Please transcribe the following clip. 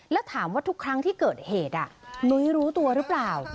แล้วถามว่าทุกครั้งที่เกิดเหตุนุ้ยรู้ตัวหรือเปล่า